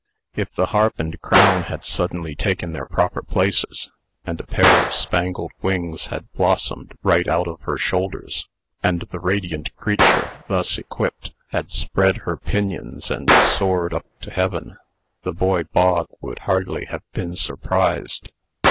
If the harp and crown had suddenly taken their proper places, and a pair of spangled wings had blossomed right out of her shoulders, and the radiant creature, thus equipped, had spread her pinions and soared up to heaven, the boy Bog would hardly have been surprised.